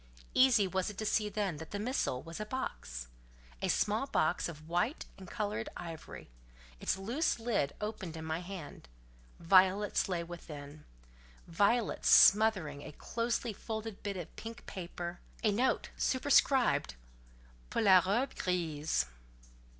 Easy was it to see then that the missile was a box, a small box of white and coloured ivory; its loose lid opened in my hand; violets lay within, violets smothering a closely folded bit of pink paper, a note, superscribed, "Pour la robe grise."